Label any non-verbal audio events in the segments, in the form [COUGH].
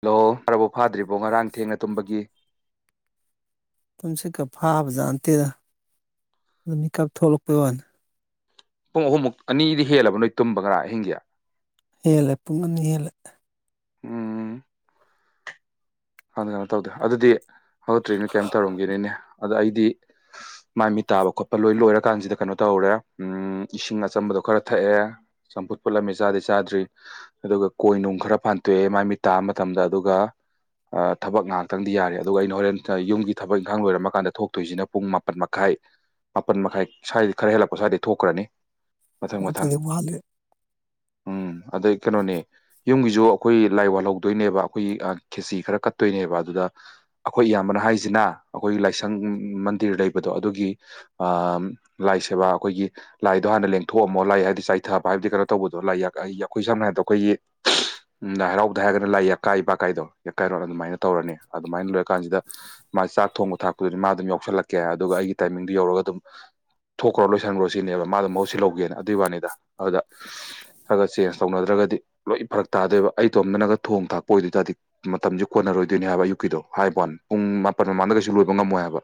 Hello ꯄ꯭ꯔꯕꯣ ꯐꯥꯗ꯭ꯔꯤꯕꯣ ꯉꯔꯥꯡ ꯊꯦꯡꯅ ꯇꯨꯝꯕꯒꯤ ꯑꯗꯨꯨꯝ ꯇꯨꯝꯁꯤꯠꯀ ꯐꯥꯕꯖꯥꯠ ꯅꯠꯇꯦꯗ ꯑꯗꯨ ꯃꯤꯀꯞ ꯊꯣꯛꯂꯛꯄꯩ ꯋꯥꯅꯤ ꯄꯨꯡ ꯑꯍꯨꯝꯃꯨꯛ ꯑꯅꯤꯗꯤ ꯍꯦꯜꯂꯕ ꯅꯣꯏ ꯇꯨꯝꯕ ꯉꯔꯥꯡ ꯑꯍꯤꯡꯒꯤ ꯍꯦꯜꯂꯦ ꯄꯨꯡ ꯑꯅꯤ ꯍꯦꯜꯂꯦ ꯎꯝ ꯍꯥꯟꯅ ꯀꯩꯅꯣ ꯇꯧꯗꯦ ꯑꯗꯨꯗꯤ ꯍꯧꯒꯠꯇ꯭ꯔꯤꯅꯦ ꯀꯩꯝ ꯇꯧꯔꯝꯒꯤꯅꯤꯅꯦ ꯑꯗ ꯑꯩꯗꯤ ꯃꯥꯏꯃꯤ ꯇꯥꯕ ꯈꯣꯠꯄ ꯂꯣꯏ ꯂꯣꯏꯔꯀꯥꯟꯁꯤꯗ ꯀꯩꯅꯣ ꯇꯧꯔꯦ ꯎꯝ ꯏꯁꯤꯡ ꯑꯆꯝꯕꯗꯣ ꯈꯔ ꯊꯛꯑꯦ ꯆꯝꯐꯨꯠ ꯄꯨꯣꯠꯂꯝꯃꯤ ꯆꯥꯗꯤ ꯆꯥꯗ꯭ꯔꯤ ꯑꯗꯨꯒ ꯀꯣꯏꯅꯨꯡ ꯈꯔ ꯐꯟꯇꯣꯛꯑꯦ ꯃ ꯃꯤꯠ ꯇꯥꯕ ꯃꯇꯝꯗ ꯑꯗꯨꯒ ꯊꯛ ꯉꯍꯥꯛꯇꯪꯗꯤ ꯌꯥꯔꯦ ꯑꯗꯨꯒ ꯑꯩꯅ ꯍꯣꯔꯦꯟ ꯌꯨꯝꯒꯤ ꯊꯕꯛ ꯏꯪꯈꯥꯡ ꯂꯣꯏꯔꯝꯃ ꯀꯥꯟꯗ ꯊꯣꯛꯇꯣꯏꯁꯤꯅ ꯄꯨꯡ ꯃꯥꯄꯟ ꯃꯈꯥꯏ ꯃꯥꯄꯟ ꯃꯈꯥꯏ ꯁ꯭ꯋꯥꯏꯗ ꯈꯔ ꯍꯦꯜꯂꯛꯄ ꯁ꯭ꯋꯥꯏꯗ ꯊꯣꯛꯈ꯭ꯔꯅꯤ ꯃꯊꯪ ꯃꯊꯪ ꯑꯇꯗꯤ ꯃꯥꯜꯂꯦ ꯎꯝ ꯑꯗ ꯏ ꯀꯩꯅꯣꯅꯤ ꯌꯨꯝꯒꯤꯁꯨ ꯑꯩꯈꯣꯏ ꯂꯥꯏ ꯋꯥꯜꯍꯧꯗꯣꯏꯅꯦꯕ ꯑꯩꯈꯣꯏꯒꯤ ꯈꯦꯁꯤ ꯈꯔ ꯀꯠꯇꯣꯏꯅꯦꯕ ꯑꯗꯨꯗ ꯑꯩꯈꯣꯏ ꯏꯌꯥꯝꯕꯅ ꯍꯥꯏꯁꯤꯅ ꯑꯩꯈꯣꯏꯒꯤ ꯂꯥꯏꯁꯪ ꯃꯟꯗꯤꯔ ꯂꯩꯕꯗꯣ ꯑꯗꯨꯒꯤ ꯑ ꯂꯥꯏ ꯁꯦꯕꯥ ꯑꯩꯈꯣꯏꯒꯤ ꯂꯥꯏꯗꯣ ꯍꯥꯟꯅ ꯂꯦꯡꯊꯣꯛꯑꯝꯃꯣ ꯂ ꯍꯥꯏꯕꯗꯤ ꯆꯥꯏꯊꯕ ꯍꯥꯏꯕꯗꯤ ꯀꯩꯅꯣ ꯇꯧꯕꯗꯣ ꯂꯥꯏ ꯑꯩꯈꯣꯏ ꯁꯝꯅ ꯍꯥꯏꯔꯕꯗ ꯑꯩꯈꯣꯏꯒꯤ ꯂꯥꯏ ꯍꯔꯥꯎꯕꯗ ꯍꯥꯏꯔꯒꯅ ꯂꯥꯏ ꯌꯥꯛꯀꯥꯏ ꯄꯀꯥꯏꯗꯣ ꯌꯥꯀꯥꯏꯔꯣꯜ ꯑꯗꯨꯃꯥꯏꯅ ꯇꯧꯔꯅꯤ ꯑꯗꯨꯃꯥꯏꯅ ꯂꯣꯏꯔꯀꯥꯟꯁꯤꯗ ꯃꯥꯒꯤ ꯆꯥꯛ ꯊꯣꯡꯕ ꯊꯥꯛꯄꯗꯨꯗꯤ ꯃꯥ ꯑꯗꯨꯝ ꯌꯥꯎꯁꯤꯜꯂꯛꯀꯦ ꯑꯗꯨꯒ ꯑꯩꯒꯤ ꯇꯥꯏꯃꯤꯡꯗꯨ ꯌꯧꯔꯒ ꯑꯗꯨꯝ ꯊꯣꯛꯈ꯭ꯔꯣ ꯂꯣꯏꯁꯤꯟꯈ꯭ꯔꯣ ꯁꯤꯅꯦꯕ ꯃꯥꯗꯣ ꯃꯍꯨꯠ ꯁꯤꯟꯂꯧꯒꯦꯅ ꯑꯗꯨꯒꯤ ꯋꯥꯅꯤꯗ ꯑꯗꯨꯗ ꯈꯔꯥ ꯆꯦꯟꯖ ꯇꯧꯅꯗ꯭ꯔꯒꯗꯤ ꯂꯣꯏ ꯐꯔꯛ ꯇꯥꯗꯣꯏꯕ ꯑꯩꯇꯣꯝꯗꯅꯒ ꯊꯣꯡ ꯊꯥꯛꯄ ꯑꯣꯏꯗꯣꯏ ꯇꯔꯗꯤ ꯃꯇꯝꯁꯤ ꯀꯣꯟꯅꯔꯣꯏꯗꯣꯏꯅꯤ ꯍꯥꯏꯕ ꯑꯌꯨꯛꯀꯤꯗꯣ ꯍꯥꯏꯕꯩ ꯋꯥꯅꯤ ꯄꯨꯡ ꯃꯥꯄꯟ ꯃꯃꯥꯡꯗ ꯀꯩꯁꯨ ꯂꯣꯏꯕ ꯉꯝꯃꯣꯏ ꯍꯥꯏꯕ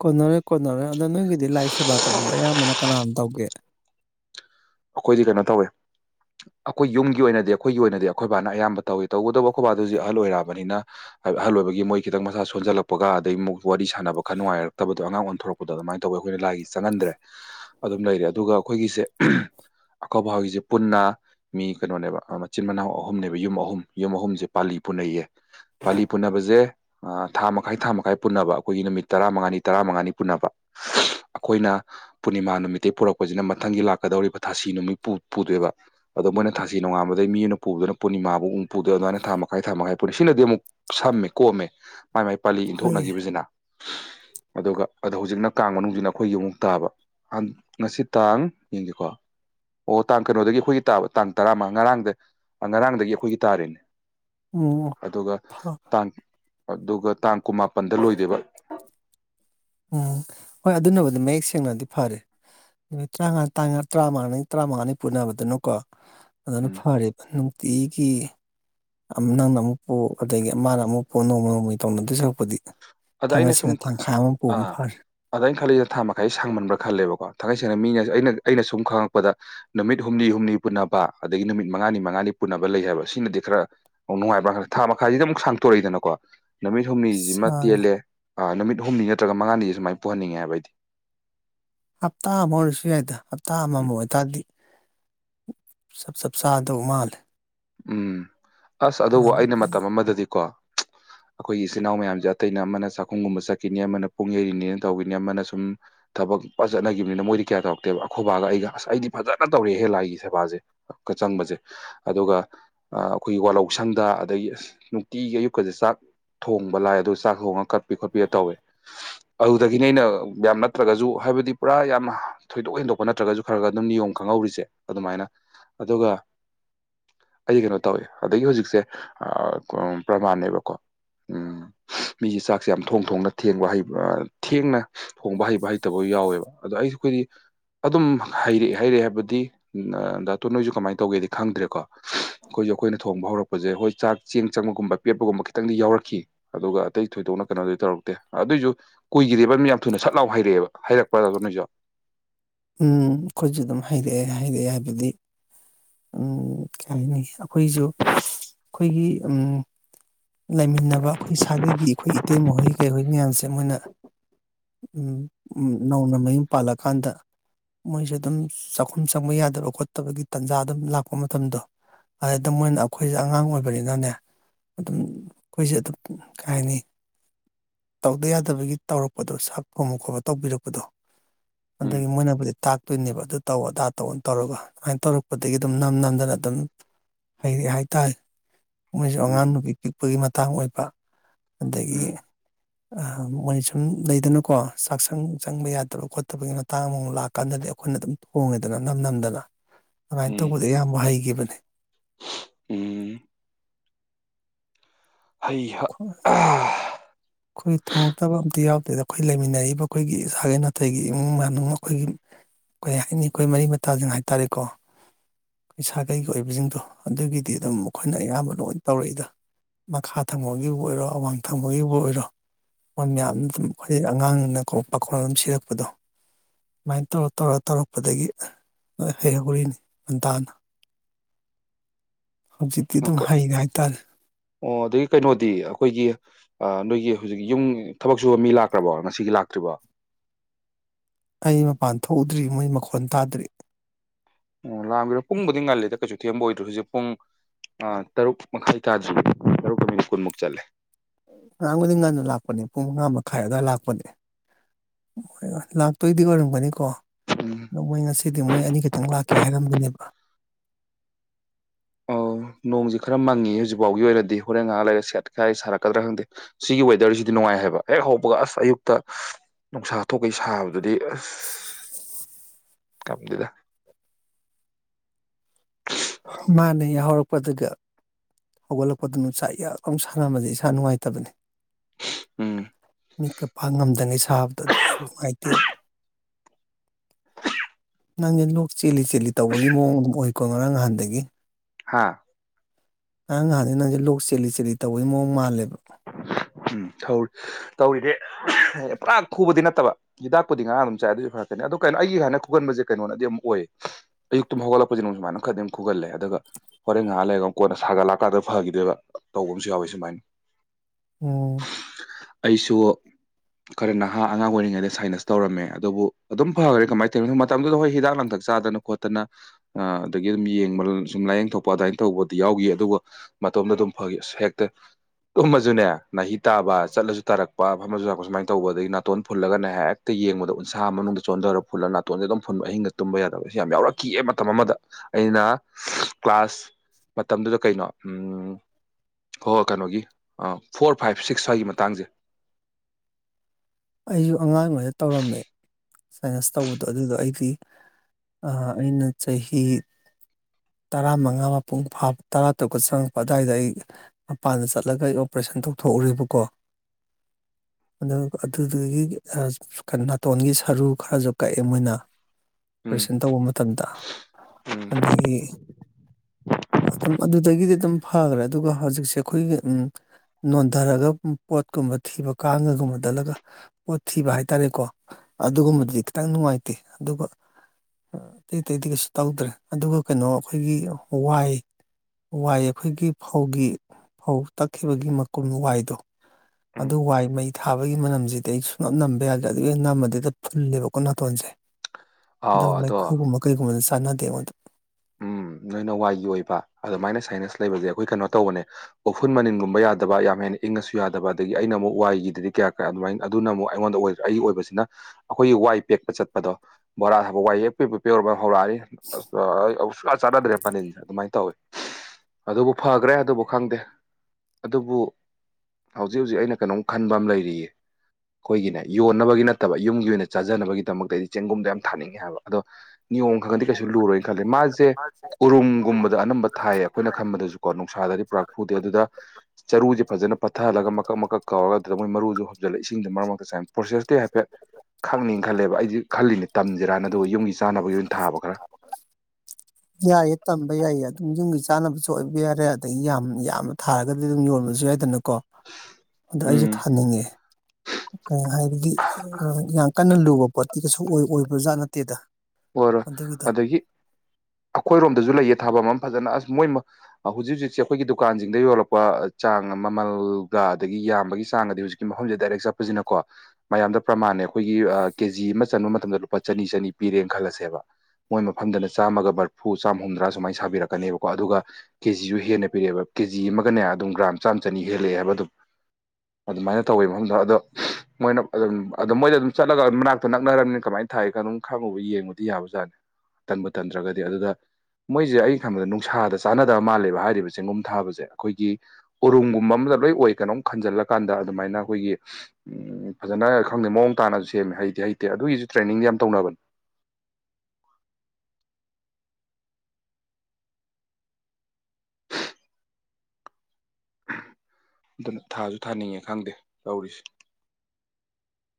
ꯀꯣꯟꯅꯔꯦꯏ ꯀꯣꯟꯅꯔꯦꯏ ꯑꯗꯣ ꯅꯪꯒꯤꯗꯤ ꯂꯥꯏ ꯁꯦꯕꯥ ꯇꯧꯕꯁꯦ ꯑꯌꯥꯝꯕꯅ ꯀꯅꯥꯅ ꯇꯧꯒꯦ ꯑꯩꯈꯣꯏꯗꯤ ꯀꯩꯅꯣ ꯇꯧꯋꯦ ꯑꯩꯈꯣꯏ ꯌꯨꯝꯒꯤ ꯑꯣꯏꯅꯗꯤ ꯑꯩꯈꯣꯏꯒꯤ ꯑꯣꯏꯅꯗꯤ ꯑꯩꯈꯣꯏꯕꯥꯅ ꯑꯌꯥꯝꯕ ꯇꯧꯏꯤ ꯇꯧꯕꯇꯕꯨ ꯑꯩꯈꯣꯏꯕꯥꯗꯨꯖꯨ ꯑꯍꯜ ꯑꯣꯏꯔꯛꯑꯕꯅꯤꯅ ꯑꯍꯜ ꯑꯣꯏꯕꯒꯤ ꯃꯣꯏ ꯈꯤꯇꯪ ꯃꯁꯥ ꯁꯣꯟꯖꯜꯂꯛꯄꯒ ꯑꯗꯩ ꯃꯨꯛ ꯋꯥꯔꯤ ꯁꯥꯟꯅꯕ ꯈꯔ ꯅꯨꯡꯉꯥꯏꯔꯛꯇꯕꯗꯣ ꯑꯉꯥꯡ ꯑꯣꯟꯊꯣꯔꯛꯄꯗꯣ ꯑꯗꯨꯃꯥꯏꯅ ꯇꯧꯋꯤ ꯑꯩꯈꯣꯏꯅ ꯂꯥꯏꯒꯤ ꯆꯪꯍꯟꯗ꯭ꯔꯦ ꯑꯗꯨꯝ ꯂꯩꯔꯦ ꯑꯗꯨꯒ ꯑꯩꯈꯣꯏꯒꯤꯁꯦ ꯑꯈꯕꯒꯤꯁꯦ ꯄꯨꯟꯅ ꯃꯤ ꯀꯩꯅꯣꯅꯦꯕ ꯃꯆꯤꯟ ꯃꯅꯥꯎ ꯑꯍꯨꯝꯅꯦꯕ ꯌꯨꯝ ꯑꯍꯨꯝ ꯌꯨꯝ ꯑꯍꯨꯝꯁꯦ ꯄꯥꯜꯂꯤ ꯄꯨꯅꯩꯌꯦ ꯄꯥꯂꯤ ꯄꯨꯅꯕꯁꯦ ꯑꯥ ꯊꯥ ꯃꯈꯥꯏ ꯊꯥ ꯃꯈꯥꯏ ꯄꯨꯟꯅꯕ ꯑꯩꯈꯣꯏꯒꯤ ꯅꯨꯃꯤꯠ ꯇꯔꯥꯃꯉꯥꯅꯤ ꯇꯔꯥꯃꯉꯥꯅꯤ ꯄꯨꯟꯅꯕ ꯑꯩꯈꯣꯏꯅ ꯄꯨꯔꯅꯤꯃꯥ ꯅꯨꯃꯤꯠꯇ ꯄꯨꯔꯛꯄꯁꯤꯅ ꯃꯊꯪꯒꯤ ꯂꯥꯛꯀꯗꯧꯔꯤꯕ ꯊꯥꯁꯤ ꯅꯨꯃꯤꯄꯨ ꯄꯨꯗꯣꯏꯕ ꯑꯗꯣ ꯃꯣꯏꯅ ꯊꯥꯁꯤ ꯅꯣꯡꯉꯥꯟꯕꯗꯒꯤ ꯃꯤ ꯑꯃꯅ ꯄꯨꯕꯗꯨꯅ ꯄꯨꯔꯅꯤꯃꯥꯕꯥꯎ ꯄꯨꯗꯣꯏ ꯑꯗꯨꯃꯥꯏꯅ ꯊꯥ ꯃꯈꯥꯏ ꯊꯥ ꯃꯈꯥꯏ ꯄꯨꯅꯤ ꯁꯤꯅꯗꯤ ꯑꯃꯨꯛ ꯁꯝꯃꯦ ꯀꯣꯝꯃꯦ ꯃꯥꯏ ꯃꯥꯏ ꯄꯥꯜꯂꯤ ꯐꯩ ꯏꯟꯊꯣꯛꯅꯈꯤꯕꯁꯤꯅ [INAUDIBLE] ꯑꯗꯨꯒ ꯑꯗꯣ ꯍꯧꯖꯤꯛꯅ ꯀꯥꯡ ꯃꯅꯨꯡꯁꯤꯅ ꯑꯩꯈꯣꯏꯒꯤ ꯑꯃꯨꯛ ꯇꯥꯕ ꯉꯁꯤ ꯇꯥꯡ ꯌꯦꯡꯁꯤꯀꯣ ꯑꯣ ꯇꯥꯡ ꯀꯩꯅꯣꯗꯒꯤ ꯑꯩꯈꯣꯏꯒꯤ ꯇꯥꯕ ꯇꯥꯡ ꯇꯔꯥꯃꯉꯥ ꯉꯔꯥꯡꯗ ꯉꯔꯥꯡꯗꯒꯤ ꯑꯩꯈꯣꯏꯒꯤ ꯇꯥꯔꯤꯅꯦ ꯎꯝ ꯑꯗꯨꯒ ꯐ ꯇꯥꯡ ꯑꯗꯨꯒ ꯇꯥꯡ ꯀꯨꯟꯃꯥꯄꯟꯗ ꯂꯣꯏꯗꯦꯏꯕ ꯎꯝ ꯍꯣꯏ ꯑꯗꯨꯅꯕꯨꯗꯤ ꯃꯌꯦꯛ ꯁꯦꯡꯅꯗꯤ ꯐꯔꯦ ꯅꯨꯃꯤꯠ ꯇꯔꯥꯃꯉꯥ ꯇꯔꯥꯉꯥ ꯇꯔꯥꯃꯉꯥꯅꯤ ꯇꯔꯥꯃꯉꯥꯅꯤ ꯄꯨꯅꯕꯗꯨꯅ ꯀꯣ ꯑꯗꯨꯅ ꯎꯝ ꯐꯔꯦꯕ ꯅꯨꯡꯇꯤꯒꯤ ꯅꯪꯅ ꯑꯃꯨꯛ ꯄꯨ ꯑꯗꯒꯤ ꯑꯃꯅ ꯑꯃꯨꯛ ꯄꯨ ꯅꯣꯡꯃ ꯅꯣꯡꯃꯒꯤ ꯇꯧꯅꯗꯣꯏ ꯁꯔꯨꯛꯄꯨꯗꯤ ꯑꯗ ꯑꯩꯅ ꯁꯨꯝ ꯊꯥꯡꯉꯩꯁꯦꯡꯅ ꯇꯥꯡꯈꯥꯏ ꯑꯃ ꯄꯨꯕꯅ ꯑꯥ ꯐꯥꯔꯦ ꯑꯗ ꯑꯩꯅ ꯈꯜꯂꯤꯁꯦ ꯊꯥ ꯃꯈꯥꯏꯁꯦ ꯁꯥꯡꯃꯟꯕ꯭ꯔꯥ ꯈꯜꯂꯦꯕꯀꯣ ꯊꯥꯡꯒꯩꯁꯦꯡꯅ ꯃꯤꯅ ꯑꯩꯅ ꯑꯩꯅ ꯁꯨꯝ ꯈꯪꯉꯛꯄꯗ ꯅꯨꯃꯤꯠ ꯍꯨꯝꯅꯤ ꯍꯨꯝꯅꯤ ꯄꯨꯟꯅꯕ ꯑꯗꯒꯤ ꯅꯨꯃꯤꯠ ꯃꯉꯥꯅꯤ ꯃꯉꯥꯅꯤ ꯄꯨꯟꯅꯕ ꯂꯩ ꯍꯥꯏꯕ ꯁꯤꯅꯗꯤ ꯈꯔ ꯑꯣꯧ ꯅꯨꯡꯉꯕ꯭ꯔꯥ ꯈ ꯊꯥ ꯃꯈꯥꯁꯤꯗꯤ ꯑꯃꯨꯛ ꯁꯥꯡꯇꯣꯔꯛꯏꯗꯅꯀꯣ ꯅꯨꯃꯤꯠ ꯍꯨꯝꯅꯤꯁꯤꯃ ꯁꯥꯡꯉꯦ, ꯇꯦꯜꯂꯦ ꯅꯨꯃꯤꯠ ꯍꯨꯝꯅꯤ ꯅꯠꯇ꯭ꯔꯒ ꯃꯉꯥꯅꯤ ꯁꯨꯃꯥꯏꯅ ꯄꯨꯍꯟꯅꯤꯡꯉꯦ ꯍꯥꯏꯕꯗꯤ ꯍꯞꯇꯥ ꯑꯃ ꯑꯣꯏꯔꯁꯨ ꯌꯥꯏꯗ ꯍꯞꯇꯥ ꯑꯃꯃ ꯑꯣꯏꯇꯥꯔꯗꯤ ꯁꯞꯁ ꯐꯥꯗꯣ ꯎꯃꯜ ꯎꯝ ꯑꯁ ꯑꯗꯨꯕꯨ ꯏꯕꯥꯅꯤ ꯑꯩꯅ ꯄꯣꯠꯇꯣ ꯃꯇꯝ ꯑꯃꯗꯗꯤꯀꯣ ꯑꯩꯈꯣꯏꯒꯤ ꯏꯆꯤꯟ ꯏꯅꯥꯎ ꯃꯌꯥꯝꯁꯦ ꯑꯇꯩꯅ ꯑꯃꯅ ꯆꯥꯛꯈꯨꯝꯒꯨꯝꯕ ꯆꯠꯈꯤꯅꯤ ꯑꯃꯅ ꯄꯨꯡ ꯌꯩꯔꯤꯅꯤꯅ ꯇꯧꯈꯤꯅꯤ ꯑꯃꯅ ꯁꯨꯝ ꯊꯕꯛ ꯄꯥꯆꯠꯅꯈꯤꯕꯅꯤꯅ ꯃꯣꯏꯗꯤ ꯀꯌꯥ ꯇꯧꯔꯛꯇꯦꯕ ꯑꯩꯈꯣꯏꯕꯥꯒ ꯑꯩꯒ ꯑꯁ ꯑꯩꯗꯤ ꯐꯖꯅ ꯇꯧꯔꯛꯑꯦꯍꯦ ꯂꯥꯏꯒꯤ ꯁꯦꯕꯥꯁꯦ ꯆꯪꯕꯁꯦ ꯑꯗꯨꯒ ꯑꯥ ꯑꯩꯈꯣꯏꯒꯤ ꯋꯥꯂꯣꯛꯁꯪꯗ ꯑꯗꯒꯤ ꯑꯁ ꯅꯨꯡꯇꯤꯒꯤ ꯑꯌꯨꯛꯀꯁꯦ ꯆꯥꯛ ꯊꯣꯡꯕ ꯂꯥꯛꯑꯦ ꯑꯗꯨꯒ ꯆꯥꯛ ꯊꯣꯡꯉꯒ ꯀꯠꯄꯤ ꯈꯣꯠꯄꯤ ꯇꯧꯋꯦ ꯑꯗꯨꯗꯒꯤꯅꯦ ꯑꯩꯅ ꯌꯥꯝ ꯅꯠꯇ꯭ꯔꯒꯁꯨ ꯍꯥꯏꯕꯗꯤ ꯄꯨꯔꯥ ꯌꯥꯝ ꯊꯣꯏꯗꯣꯛ ꯍꯦꯟꯗꯣꯛꯄ ꯅꯠꯇ꯭ꯔꯒꯁꯨ ꯈꯔ ꯈꯔ ꯑꯗꯨꯝ ꯅꯤꯌꯣꯝ ꯈꯪꯍꯧꯔꯤꯁꯦ ꯑꯗꯨꯃꯥꯏꯅ ꯑꯗꯨꯒ ꯑꯩꯗꯤ ꯀꯩꯅꯣ ꯇꯧꯋꯦ ꯑꯗꯒꯤ ꯍꯧꯖꯤꯛꯁꯦ ꯄ꯭ꯔꯃꯥꯟꯅꯦꯕꯀꯣ ꯎꯝ ꯃꯤꯁꯦ ꯆꯥꯛꯁꯦ ꯌꯥꯝ ꯊꯣꯡ ꯊꯣꯡꯅ ꯊꯦꯡꯕ ꯍꯩꯕ ꯊꯦꯡꯅ ꯊꯣꯡꯕ ꯍꯩꯕ ꯍꯩꯇꯕꯒ ꯌꯥꯎꯋꯦꯕ ꯑꯗꯣ ꯑꯩꯁꯨ ꯑꯩꯈꯣꯏꯗꯤ ꯑꯗꯨꯝ ꯍꯩꯔꯛꯑꯦ ꯍꯩꯔꯛꯑꯦ ꯍꯥꯏꯕꯗꯤ ꯗꯥꯇꯣꯟ ꯅꯣꯏꯁꯨ ꯀꯃꯥꯏꯅ ꯇꯧꯒꯦꯗꯤ ꯈꯪꯗ꯭ꯔꯦꯀꯣ ꯑꯩꯈꯣꯏꯁꯨ ꯑꯩꯈꯣꯏꯅ ꯊꯣꯡꯕ ꯍꯧꯔꯛꯄꯁꯦ ꯍꯣꯏ ꯆꯥꯛ ꯆꯦꯡ ꯆꯪꯕꯒꯨꯝꯕ ꯄꯦꯠꯄꯒꯨꯝꯕ ꯈꯤꯇꯪꯗꯤ ꯌꯥꯎꯔꯛꯈꯤ ꯑꯗꯨꯒ ꯑꯇꯩ ꯊꯣꯏꯗꯣꯛꯅ ꯀꯩꯅꯣꯗꯤ ꯇꯧꯔꯛꯇꯦ ꯑꯗꯨꯏꯁꯨ ꯀꯨꯏꯒꯤꯗꯦꯕ ꯃꯤ ꯌꯥꯝ ꯊꯨꯅ ꯁꯠ ꯂꯥꯎ ꯍꯩꯔꯛꯑꯦꯕ ꯍꯥꯏꯔꯛꯄꯔꯣ ꯅꯣꯏꯖꯨ ꯎꯝ ꯑꯩꯈꯣꯏꯁꯨ ꯑꯗꯨꯝ ꯍꯩꯔꯛꯑꯦ ꯍꯩꯔꯛꯑꯦ ꯍꯥꯏꯕꯗꯤ ꯎꯝ ꯀꯩ ꯍꯥꯏꯅꯤ ꯑꯩꯈꯣꯏꯁꯨ ꯑꯩꯈꯣꯏꯒꯤ ꯎꯝ ꯂꯩꯃꯤꯟꯅꯕ ꯑꯩꯈꯣꯏ ꯁꯥꯒꯩꯒꯤ ꯑꯩꯈꯣꯏ ꯏꯇꯩꯃ ꯍꯣꯏ ꯀꯩꯍꯣꯏ ꯃꯌꯥꯝꯁꯦ ꯃꯣꯏꯅ ꯎꯝ ꯎꯝ ꯅꯧꯅ ꯃꯌꯨꯝ ꯄꯥꯜꯂꯛꯑꯥꯀꯥꯟꯗ ꯃꯣꯏꯁꯨ ꯑꯗꯨꯝ ꯆꯥꯛꯈꯨꯝ ꯆꯪꯕ ꯌꯥꯗꯕ ꯈꯣꯠꯇꯕꯒꯤ ꯇꯥꯟꯖꯥ ꯑꯗꯨꯝ ꯂꯥꯛꯄ ꯃꯇꯝꯗꯣ ꯑꯗꯨꯗ ꯃꯣꯏꯅ ꯑꯩꯈꯣꯏꯁꯦ ꯑꯉꯥꯡ ꯑꯣꯏꯕꯅꯤꯅꯅꯦ ꯑꯗꯨꯝ ꯑꯩꯈꯣꯏꯁꯦ ꯑꯗꯨꯝ ꯀꯩꯍꯥꯏꯅꯤ ꯇꯧꯗ ꯌꯥꯗꯕꯒꯤ ꯇꯧꯔꯛꯄꯗꯣ [UNINTELLIGIBLE] ꯇꯧꯕꯤꯔꯛꯄꯗꯣ ꯎꯝ ꯑꯗꯨꯒꯤ ꯃꯣꯏꯅꯕꯨꯗꯤ ꯇꯥꯛꯇꯨꯏꯅꯦꯕ ꯑꯗꯨ ꯇꯧ ꯑꯗꯥ ꯇꯧ ꯇꯧꯔꯒ ꯑꯗꯥꯏ ꯇꯧꯔꯛꯄꯗꯒꯤ ꯑꯗꯨꯝ ꯅꯝ ꯅꯝꯗꯅ ꯑꯗꯨꯝ ꯍꯩꯔꯛꯑꯦ ꯍꯥꯏꯇꯥꯔꯦ ꯃꯣꯏꯁꯨ ꯑꯉꯥꯡ ꯎꯝ ꯅꯨꯄꯤ ꯄꯤꯛꯄꯒꯤ ꯃꯇꯥꯡ ꯑꯣꯏꯕ ꯑꯗꯒꯤ ꯎꯝ ꯃꯣꯏ ꯁꯨꯝ ꯂꯩꯗꯅꯀꯣ ꯆꯥꯛꯁꯪ ꯆꯪꯕ ꯌꯥꯗꯕ ꯈꯣꯠꯇꯕꯒꯤ ꯃꯇꯥꯡ ꯑꯃꯨꯛ ꯃꯨꯛ ꯂꯥꯛꯀꯥꯟꯗꯗꯤ ꯑꯩꯈꯣꯏꯅ ꯑꯗꯨꯝ ꯊꯣꯡꯉꯦꯗꯅ ꯅꯝ ꯅꯝꯗꯅ ꯑꯗꯨꯃꯥꯏꯅ ꯎꯝ ꯇꯧꯕꯗꯒꯤ ꯐꯌꯥꯝꯕ ꯍꯩꯈꯤꯕꯅꯦ ꯎꯝ ꯍꯩꯍꯥ ꯑꯩꯈꯣꯏ ꯊꯣꯉꯛꯇꯕ ꯑꯃꯠꯇꯥ ꯌꯥꯎꯗꯦꯗ ꯑꯩꯈꯣꯏ ꯂꯩꯃꯤꯟꯅꯔꯤꯕ ꯑꯩꯈꯣꯏꯒꯤ ꯁꯒꯩ ꯅꯥꯇꯩꯒꯤ ꯏꯃꯨꯡ ꯃꯅꯨꯡ ꯑꯩꯈꯣꯏꯒꯤ ꯀꯩ ꯍꯥꯏꯅꯤ ꯑꯩꯈꯣꯏ ꯃꯔꯤ ꯃꯇꯥꯁꯤꯡ ꯍꯥꯏꯇꯥꯔꯦꯀꯣ ꯁꯒꯩꯒꯤ ꯑꯣꯏꯕꯁꯤꯡꯗꯣ ꯑꯗꯨꯒꯤꯗꯤ ꯑꯗꯨꯝ ꯈꯣꯏꯅ ꯑꯌꯥꯝꯕ ꯂꯣꯏ ꯇꯧꯔꯛꯏꯗꯥ ꯃꯈꯥ ꯊꯪꯕꯒꯤꯕꯨ ꯑꯣꯏꯔꯣ ꯑꯋꯥꯡ ꯊꯪꯕꯒꯤꯕꯨ ꯑꯣꯏꯔꯣ ꯑꯥ ꯈꯣꯏ ꯃꯌꯥꯝ ꯑꯗꯨꯝ ꯑꯩꯈꯣꯏ ꯑꯉꯥꯡꯅꯤꯅꯀꯣ ꯄꯥꯈꯣꯟ ꯑꯗꯨꯝ ꯁꯤꯔꯛꯄꯗꯣ ꯃꯥꯏꯅ ꯇꯧꯔ ꯇꯧꯔ ꯇꯧꯔꯛꯄꯗꯒꯤ ꯍꯩꯍꯧꯔꯤꯅꯤ ꯉꯟꯇꯥꯅ ꯍꯧꯖꯤꯛꯇꯤ ꯑꯗꯨꯝ ꯍꯩꯔꯦ ꯍꯥꯏꯇꯥꯔꯦ ꯑꯣ ꯑꯗꯨꯒꯤ ꯀꯩꯅꯣꯗꯤ ꯑꯩꯈꯣꯏꯒꯤ ꯑꯥ ꯅꯣꯏꯒꯤ ꯍꯧꯖꯤꯛ ꯌꯨꯝ ꯊꯕꯛ ꯁꯨꯕ ꯃꯤ ꯂꯥꯛꯈ꯭ꯔꯕꯣ ꯉꯁꯤꯒꯤ ꯂꯥꯛꯇ꯭ꯔꯤꯕꯣ ꯑꯩ ꯃꯄꯥꯟ ꯊꯣꯛꯎꯗ꯭ꯔꯤ ꯃꯣꯏ ꯃꯈꯣꯟ ꯇꯥꯗ꯭ꯔꯤ ꯑꯣ ꯂꯥꯛꯑꯝꯈꯤꯔꯣꯏ ꯄꯨꯡꯕꯨꯗꯤ ꯉꯜꯂꯤꯗ ꯀꯩꯁꯨ ꯊꯦꯡꯕ ꯑꯣꯏꯗ꯭ꯔꯣ ꯍꯧꯖꯤꯛ ꯄꯨꯡ ꯑꯥ ꯇꯔꯨꯛ ꯃꯈꯥꯏ ꯇꯥꯗ꯭ꯔꯤ ꯇꯔꯨꯛ ꯅꯨ ꯃꯤꯠ ꯀꯨꯟꯃꯨꯛ ꯆꯠꯂꯦ ꯅꯍꯥꯟ ꯈꯩꯗꯤ ꯉꯟꯅ ꯂꯥꯛꯄꯅꯦ ꯄꯨꯡ ꯃꯉꯥ ꯃꯈꯥꯏ ꯑꯗꯨꯋꯥꯏ ꯂꯥꯛꯄꯅꯦ ꯍꯣꯏ ꯍꯣꯏ ꯂꯥꯛꯇꯣꯏꯗꯤ ꯑꯣꯏꯔꯝꯒꯅꯤꯀꯣ ꯎꯝ ꯑꯗꯣ ꯃꯣꯏ ꯉꯁꯤꯗꯤ ꯃꯣꯏ ꯑꯅꯤꯈꯛꯇꯪ ꯂꯥꯛꯀꯦ ꯍꯥꯏꯔꯝꯕꯅꯦꯕ ꯑꯣ ꯅꯣꯡꯁꯦ ꯈꯔ ꯃꯪꯉꯤ ꯍꯧꯖꯤꯛꯐꯥꯎꯒꯤ ꯑꯣꯏꯅꯗꯤ ꯍꯣꯔꯦꯟ ꯉꯥꯏꯍꯥꯛ ꯂꯩꯔꯒ ꯁꯦꯠ ꯀꯥꯏ ꯁꯥꯔꯛꯀꯗ꯭ꯔꯥ ꯈꯪꯗꯦ ꯁꯤꯒꯤ ꯋꯦꯗꯔꯁꯤꯗꯤ ꯅꯨꯡꯉꯥꯏ ꯍꯥꯏꯕ ꯍꯦꯛ ꯍꯧꯕꯒ ꯑꯁ ꯑꯌꯨꯛꯇ ꯅꯨꯡꯁꯥ ꯊꯣꯛꯀꯩ ꯁꯥꯕ- ꯗꯨꯗꯤ ꯑꯁ [UNINTELLIGIBLE] ꯃꯥꯅꯦ ꯌꯥꯍꯧꯔꯛꯄꯗꯨꯗ ꯍꯧꯒꯠꯂꯛꯄꯗꯨꯅ ꯅꯨꯡꯁꯥ ꯌꯛ ꯂꯥꯎ ꯁꯥꯟꯔꯝꯃꯗꯤ ꯏꯁꯥ ꯅꯨꯡꯉꯥꯏꯇꯕꯅꯦ ꯎꯝ ꯃꯤꯠꯀ ꯄꯥꯡ ꯉꯝꯗꯉꯩ ꯁꯥꯕꯗꯣ ꯑꯗꯨ ꯌꯥꯝ ꯅꯨꯡꯉꯥꯏꯇꯦꯕ ꯅꯪꯁꯦ ꯂꯣꯛ ꯆꯦꯜꯂꯤ ꯆꯦꯜꯂꯤ ꯇꯧꯕꯒꯤ ꯃꯑꯣꯡ ꯑꯗꯨꯝ ꯑꯣꯏꯀꯣ ꯉꯔꯥꯡ ꯅꯍꯥꯟꯗꯒꯤ ꯍꯥꯥ ꯉꯔꯥꯡ ꯅꯍꯥꯟꯗꯩ ꯅꯪꯁꯦ ꯂꯣꯛ ꯆꯦꯜꯂꯤ ꯆꯦꯜꯂꯤ ꯇꯧꯕꯩ ꯃꯑꯣꯡ ꯃꯥꯜꯂꯦꯕ ꯎꯝ ꯇꯧ ꯇꯧꯔꯤꯅꯦ ꯄꯨꯔꯥ ꯈꯨꯕꯗꯤ ꯅꯠꯇꯕ ꯍꯤꯗꯥꯛꯄꯨꯗꯤ ꯉꯔꯥꯡ ꯑꯗꯨꯝ ꯆꯥꯏ ꯑꯗꯨꯗꯤ ꯐꯔꯛꯀꯅꯤ ꯑꯗꯣ ꯀꯩꯅꯣ ꯑꯩꯒꯤ ꯁꯥꯏꯅ ꯈꯨꯒꯟꯕꯁꯦ ꯀꯩꯅꯣꯅꯗꯤ ꯑꯗꯨꯝ ꯑꯣꯏꯌꯦ ꯑꯌꯨꯛꯇꯨ ꯍꯧꯒꯠꯂꯛꯁꯤꯗꯝ ꯁꯨꯃꯥꯏꯅ ꯈꯗꯤ ꯑꯗꯨꯝ ꯈꯨꯒꯂꯦ ꯑꯗꯨꯒ ꯍꯣꯔꯦꯟ ꯉꯥꯏꯍꯥꯛ ꯂꯩꯔꯒ ꯑꯃꯨꯛ ꯀꯣꯟꯅ ꯁꯥꯒꯠꯂꯛꯑꯀꯥꯟꯗ ꯐꯈꯤꯗꯣꯏꯕ ꯇꯧꯕ ꯑꯃꯁꯨ ꯌꯥꯎꯏ ꯁꯨꯃꯥꯏꯅ ꯑꯣ ꯑꯩꯁꯨ ꯈꯔ ꯅꯍꯥ ꯑꯉꯥꯡ ꯑꯣꯏꯔꯤꯉꯩꯗ ꯁꯥꯏꯅꯁ ꯇꯧꯔꯝꯃꯦ ꯑꯗꯨꯕꯨ ꯑꯗꯨꯝ ꯐꯈ꯭ꯔꯦ ꯀꯃꯥꯏꯅ ꯇꯧꯔꯤꯅꯤ ꯃꯇꯝꯗꯨꯗ ꯍꯣꯏ ꯍꯤꯗꯥꯛ ꯂꯥꯡꯊꯛ ꯆꯥꯗꯅ ꯈꯣꯠꯇꯅ ꯑ ꯑꯗꯒꯤ ꯑꯗꯨꯝ ꯌꯦꯡꯕ ꯁꯨꯝ ꯂꯥꯏꯌꯦꯡꯊꯣꯛꯄ ꯑꯗꯨꯃꯥꯏꯅ ꯇꯧꯕꯗꯤ ꯌꯥꯎꯈꯤ ꯑꯗꯨꯒ ꯃꯇꯣꯝꯗ ꯑꯗꯨꯝ ꯐꯈꯤ ꯑꯁ ꯍꯦꯛꯇ ꯇꯨꯝꯕꯖꯦ ꯑꯗꯨꯅꯦ ꯅꯥꯍꯤ ꯇꯥꯕ ꯆꯠꯂꯁꯨ ꯇꯥꯔꯛꯄ ꯐꯝꯃꯁꯨ ꯍꯥꯔꯛꯄ ꯁꯨꯃꯥꯏꯅ ꯇꯧꯕ ꯑꯗꯒꯤ ꯅꯥꯇꯣꯟ ꯐꯨꯜꯂꯒꯅꯦ ꯍꯦꯛ ꯇ ꯌꯦꯡꯕꯗ ꯎꯟꯁꯥ ꯃꯅꯨꯡꯗ ꯆꯣꯟꯊꯔ ꯐꯨꯜꯂ ꯅꯥꯇꯣꯟꯁꯦ ꯑꯗꯨꯝ ꯐꯨꯟꯕ ꯑꯍꯤꯡꯒ ꯇꯨꯝꯕ ꯌꯥꯗꯕ ꯁꯤ ꯌꯥꯝ ꯌꯥꯎꯔꯛꯈꯤꯑꯦ ꯃꯇꯝ ꯑꯃꯗ ꯑꯩꯅ ꯀ꯭ꯂꯥꯁ ꯃꯇꯝꯗꯨꯗ ꯀꯩꯅꯣ ꯎꯝ ꯍꯣ ꯀꯩꯅꯣꯒꯤ ꯐꯣꯔ ꯐꯥꯏꯚ ꯁꯤꯛꯁ ꯁ꯭ꯋꯥꯏꯒꯤ ꯃꯇꯥꯡꯁꯦ ꯑꯩꯁꯨ ꯑꯉꯥꯡ ꯑꯣꯏꯔꯤꯉꯥꯏꯗ ꯇꯧꯔꯝꯃꯦ ꯁꯥꯏꯅꯁ ꯇꯧꯕꯗꯣ ꯑꯗꯨꯗꯣ ꯑꯩꯗꯤ ꯑꯥ ꯑꯩꯅ ꯆꯍꯤ ꯇꯔꯥꯃꯉꯥ ꯃꯄꯨꯡ ꯐꯥꯕ ꯇꯔꯥ ꯇꯔꯨꯛꯇ ꯆꯪꯉꯛꯄ ꯑꯗꯥꯏꯗ ꯑꯩ ꯃꯄꯥꯟꯗ ꯆꯠꯂꯒ ꯑꯩ ꯑꯣꯄꯔꯦꯁꯟ ꯇꯧꯊꯣꯛꯎꯔꯤꯕꯀꯣ ꯑꯗꯨꯒ ꯑꯗꯨꯗꯒꯤ ꯑ ꯀꯩꯅꯣ ꯅꯥꯇꯣꯟꯒꯤ ꯁꯔꯨ ꯈꯔꯖꯨ ꯀꯛꯑꯦ ꯃꯣꯏꯅ ꯎꯝ ꯄ꯭ꯔꯦꯁꯟ ꯇꯧꯕ ꯃꯇꯝꯗ ꯎꯝ ꯑꯗꯒꯤ ꯑꯗꯨꯝ ꯑꯗꯨꯗꯒꯤꯗꯤ ꯑꯗꯨꯝ ꯐꯈ꯭ꯔꯦ ꯑꯗꯨꯒ ꯍꯧꯖꯤꯛꯁꯦ ꯑꯩꯈꯣꯏꯒꯤ ꯎꯝ ꯅꯣꯟꯊꯔꯒ ꯄꯣꯠꯀꯨꯝꯕ ꯊꯤꯕ ꯀꯥꯡꯉꯒꯨꯝꯕꯗꯠꯂꯒ ꯄꯣꯠ ꯊꯤꯕ ꯍꯥꯏꯇꯥꯔꯦꯀꯣ ꯑꯗꯨꯒꯨꯝꯕꯗꯨꯗꯤ ꯈꯤꯇꯪ ꯅꯨꯡꯉꯥꯏꯇꯦ ꯑꯗꯨꯒ ꯑꯇꯩ ꯑꯇꯩꯗꯤ ꯀꯩꯁꯨ ꯇꯧꯗ꯭ꯔꯦ ꯑꯗꯨꯒ ꯀꯩꯅꯣ ꯑꯩꯈꯣꯏꯒꯤ ꯋꯥꯏ ꯋꯥꯏ ꯑꯩꯈꯣꯏꯒꯤ ꯐꯧꯒꯤ ꯐꯧ ꯇꯛꯈꯤꯕꯒꯤ ꯃꯀꯨꯨꯝ ꯋꯥꯏꯗꯣ ꯎꯝ ꯑꯗꯨ ꯋꯥꯏ ꯃꯩ ꯊꯥꯕꯒꯤ ꯃꯅꯝꯁꯦ ꯁꯤꯗꯤ ꯑꯩ ꯁꯨꯡꯅꯞ ꯅꯝꯕ ꯌꯥꯗ꯭ꯔꯦ ꯑꯗꯨꯒꯤ ꯅꯝꯃꯗꯤ ꯍꯦꯛꯇ ꯐꯨꯜꯂꯦꯕꯀꯣ ꯅꯥꯇꯣꯟꯁꯦ ꯑꯥꯎ ꯑꯗꯨ ꯑꯗꯣ ꯃꯩꯈꯨ ꯒꯨꯝꯕ ꯀꯩꯒꯨꯝꯕꯁꯦ ꯆꯥꯟꯅꯗꯦ ꯑꯩꯉꯣꯟꯗ ꯎꯝ ꯅꯣꯏꯅ ꯋꯥꯏꯒꯤ ꯑꯣꯏꯕ ꯑꯗꯨꯃꯥꯏꯅ ꯁꯥꯏꯅꯁ ꯂꯩꯕꯁꯦ ꯑꯩꯈꯣꯏ ꯀꯩꯅꯣ ꯇꯧꯕꯅꯦ ꯑꯣꯐꯨꯟ ꯃꯅꯤꯟꯒꯨꯝꯕ ꯌꯥꯗꯕ ꯌꯥꯝ ꯍꯦꯟꯅ ꯏꯪꯉꯁꯨ ꯌꯥꯗꯕ ꯑꯗꯒꯤ ꯑꯩꯅ ꯑꯃꯨꯛ ꯋꯥꯏꯒꯤꯗꯗꯤ ꯀꯌꯥ ꯀꯌꯥ ꯑꯗꯨꯃꯥꯏꯅ ꯑꯗꯨꯅ ꯑꯃꯨꯛ ꯑꯩꯉꯣꯟꯗ ꯑꯣꯏ ꯫ ꯑꯩꯒꯤ ꯑꯣꯏꯕꯁꯤꯅ ꯑꯩꯈꯣꯏꯒꯤ ꯋꯥꯏ ꯄꯦꯛꯄ ꯆꯠꯄꯗꯣ ꯕꯣꯔꯥ ꯍꯥꯏꯕ ꯋꯥꯏ ꯍꯦꯛ ꯄꯦꯛꯄꯨ ꯄꯦꯛꯎꯔꯕ ꯍꯧꯔꯑꯅꯤ ꯑꯁ ꯑꯩ ꯁꯨꯛꯆꯥ ꯆꯥꯟꯅꯗ꯭ꯔꯦ ꯃꯅꯤꯜꯖꯦ ꯑꯗꯨꯃꯥꯏꯅ ꯇꯧꯋꯤ ꯑꯗꯨꯕꯨ ꯐꯈ꯭ꯔꯦ ꯑꯗꯨꯕꯨ ꯈꯪꯗꯦ ꯑꯗꯨꯕꯨ ꯍꯧꯖꯤꯛ ꯍꯧꯖꯤꯛ ꯑꯩꯅ ꯀꯩꯅꯣꯝ ꯈꯟꯕ ꯑꯃ ꯂꯩꯔꯤꯌꯦ ꯑꯩꯈꯣꯏꯒꯤꯅꯦ ꯌꯣꯟꯅꯕꯒꯤ ꯅꯠꯇꯕ ꯌꯨꯝꯒꯤ ꯑꯣꯏꯅ ꯆꯥꯖꯅꯕꯒꯤꯗꯃꯛꯇ ꯑꯩꯗꯤ ꯆꯦꯡꯒꯨꯝꯗꯣ ꯌꯥꯝ ꯊꯥꯅꯤꯡꯉꯦ ꯍꯥꯏꯕ ꯑꯗꯣ ꯅꯤꯌꯣꯝ ꯈꯪꯉꯗꯤ ꯀꯩꯁꯨ ꯂꯨꯔꯣꯏꯅ ꯈꯂꯦ ꯃꯥꯁꯦ ꯎꯔꯨꯝꯒꯨꯝꯕꯗ ꯑꯅꯝꯕ ꯊꯥꯏꯌꯦ ꯑꯩꯈꯣꯏꯅ ꯈꯟꯕꯗ꯫ ꯁꯨ ꯀꯣ ꯅꯨꯡꯁꯥꯗꯗꯤ ꯄꯨꯔꯛ ꯐꯨꯗꯦ ꯑꯗꯨꯗ ꯆꯔꯨꯁꯦ ꯐꯖꯅ ꯄꯠꯊꯍꯜꯂꯒ ꯃꯀꯛ ꯃꯀꯛ ꯀꯥꯎꯔꯒ ꯑꯗꯨꯗ ꯃꯣꯏ ꯃꯔꯨꯁꯤ ꯍꯨꯟꯖꯜꯂ ꯏꯁꯤꯡꯁꯤ ꯃꯔꯛ ꯃꯔꯛꯇ ꯆꯥꯏꯝ ꯄ꯭ꯔꯣꯁꯦꯁꯇꯤ ꯍꯥꯏꯐꯦꯠ ꯈꯪꯅꯤꯅ ꯈꯜꯂꯦꯕ ꯑꯩꯗꯤ ꯈꯜꯂꯤꯅꯦ ꯇꯝꯁꯤꯔꯥꯅ ꯑꯗꯨꯒ ꯌꯨꯝꯒꯤ ꯆꯥꯅꯕꯒꯤ ꯑꯣꯏꯅ ꯊꯥꯕ ꯈꯔ ꯌꯥꯏꯌꯦ ꯇꯝꯕ ꯌꯥꯏꯌꯦ ꯑꯗꯨꯝ ꯌꯨꯝꯒꯤ ꯆꯥꯅꯕꯁꯨ ꯑꯣꯏꯕ ꯌꯥꯔꯦ ꯑꯗꯒꯤ ꯌꯥꯝ ꯌꯥꯝꯅ ꯊꯥ ꯔꯗꯤ ꯑꯗꯨꯝ ꯌꯣꯟꯕꯖꯨ ꯌꯥꯏꯗꯅꯀꯣ ꯑꯗ ꯑꯩꯖꯨ ꯎꯝ ꯊꯥꯅꯤꯡꯉꯦ ꯀꯥ ꯍꯥꯏꯕꯗꯤ ꯑ ꯌꯥꯝ ꯀꯟꯅ ꯂꯨꯕ ꯄꯣꯠꯇꯤ ꯀꯩꯁꯨ ꯑꯣꯏ ꯑꯣꯏꯕꯖꯥꯠ ꯅꯠꯇꯦꯗ ꯑꯣꯏꯔꯣꯏ ꯑꯗꯨꯒꯤꯗꯣ ꯑꯗꯒꯤ ꯑꯩꯈꯣꯏꯔꯣꯝꯗꯁꯨ ꯂꯩꯌꯦ ꯊꯥꯐꯝ ꯑꯃ ꯐꯖꯅ ꯑꯁ ꯃꯣꯏ ꯍꯧꯖꯤꯛ ꯍꯧꯖꯤꯛꯁꯦ ꯑꯩꯈꯣꯏꯒꯤ ꯗꯨꯀꯥꯟꯁꯤꯡꯗ ꯌꯣꯜꯂꯛꯄ ꯆꯥꯡ ꯃꯃꯜꯒ ꯑꯗꯒꯤ ꯌꯥꯝꯕꯒꯤ ꯆꯥꯡꯒꯗꯤ ꯍꯧꯖꯤꯛ꯫ ꯀꯤ ꯃꯐꯝꯖꯦ ꯗꯥꯏꯔꯦꯛ ꯆꯠꯄꯖꯤꯅ ꯀꯣ ꯃꯌꯥꯝꯗ ꯄ꯭ꯔꯃꯥꯟꯅꯦ ꯑꯩꯈꯣꯏꯒꯤ ꯑ ꯀꯦꯖꯤ ꯑꯃ ꯆꯟꯕ ꯃꯇꯝꯗ ꯂꯨꯄꯥ ꯆꯅꯤ ꯆꯅꯤ ꯄꯤꯔꯦꯅ ꯈꯜꯂꯁꯦꯕ ꯃꯣꯏ ꯃꯐꯝꯗꯅ ꯆꯥꯝꯃꯒ ꯃꯔꯐꯨ ꯆꯥꯝ ꯍꯨꯝꯗ꯭ꯔꯥ ꯁꯨꯃꯥꯏꯅ ꯁꯥꯕꯤꯔꯛꯀꯅꯦꯕꯀꯣ ꯑꯗꯨꯒ ꯀꯦꯖꯤꯁꯨ ꯍꯦꯟꯅ ꯄꯤꯔꯛꯑꯦꯕ ꯀꯦꯖꯤ ꯑꯃꯒꯅꯦ ꯑꯗꯨꯝ ꯒ꯭ꯔꯥꯝ ꯆꯥꯝꯃ ꯆꯅꯤ ꯍꯦꯜꯂꯛꯑꯦ ꯍꯥꯏꯕ ꯑꯗꯨꯝ ꯑꯗꯨꯃꯥꯏꯅ ꯇꯧꯋꯤ ꯃꯐꯝꯗ ꯑꯗꯣ ꯃꯣꯏꯅ ꯑꯗꯨꯝ ꯑ ꯃꯣꯏꯗ ꯑꯗꯨꯝ ꯆꯠꯂꯒ ꯃꯅꯥꯛꯇꯣ ꯅꯛꯅ꯭ꯔꯔꯕꯅꯤꯅ ꯀꯃꯥꯏꯅ ꯊꯥꯏ ꯈꯪꯕ ꯌꯦꯡꯉ ꯗꯤ ꯌꯥꯕꯖꯥꯠꯅꯤ ꯇꯟꯕ ꯇꯟꯗ꯭ꯔꯒꯗꯤ ꯑꯗꯨꯗ ꯃꯣꯏꯁꯦ ꯑꯩ ꯈꯟꯕꯗ ꯅꯨꯡꯁꯥꯗ ꯆꯥꯟꯅꯗꯕ ꯃꯥꯜꯂꯦꯕ ꯍꯥꯏꯔꯤꯕ ꯆꯦꯡꯒꯨꯝ ꯊꯥꯕꯁꯦ ꯑꯩꯈꯣꯏꯒꯤ ꯎꯔꯨꯝꯒꯨꯝꯕ ꯑꯃꯗ ꯂꯣꯏ ꯑꯣꯏ ꯀꯩꯅꯣꯝ ꯈꯟꯖꯜꯂꯀꯥꯟꯗ ꯑꯗꯨꯃꯥꯏꯅ ꯑꯩꯈꯣꯏꯒꯤ ꯐꯖꯅ ꯈꯪꯗꯦ ꯃꯑꯣꯡ ꯇꯥꯅꯁꯨ ꯁꯦꯝꯃꯦ ꯍꯩꯗꯤ ꯍꯩꯇꯦ ꯑꯗꯨꯒꯤꯁꯨ ꯇ꯭ꯔꯦꯅꯤꯡꯗꯤ ꯌꯥꯝ ꯇꯧꯅꯕꯅꯤ ꯑꯗꯨꯅ ꯊꯥꯁꯨ ꯊꯥꯅꯤꯡꯉꯦ ꯈꯪꯗꯦ ꯇꯧꯔꯤꯁꯦ